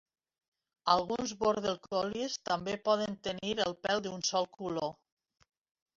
Alguns border collies també poden tenir el pel d'un sol color.